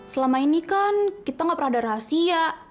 selama ini kan kita gak pernah ada rahasia